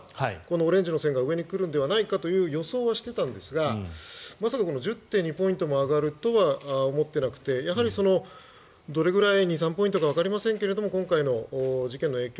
オレンジの線が上にくるのではないかと予想はしていたんですがまさか１０．２ポイントまで上がるとは思っていなくてやはりどれくらい２３ポイントかわかりませんが今回の事件の影響